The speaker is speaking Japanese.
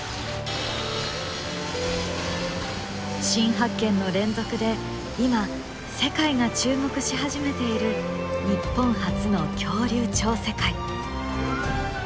新発見の連続で今世界が注目し始めている日本発の恐竜超世界。